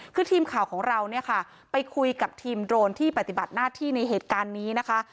คือทีมข่าวของเราเนี่ยค่ะไปคุยกับทีมโดรนที่ปฏิบัติหน้าที่ในเหตุการณ์นี้นะคะ